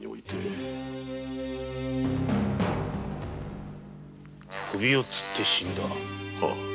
何首をつって死んだ！？